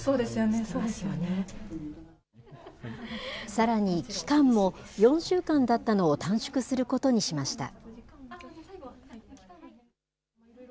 さらに期間も、４週間だったのを短縮することにしました。